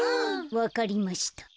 わかりました。